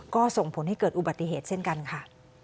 ก็ส่งผลให้เกิดอุบัติเหตุเช่นกันค่ะ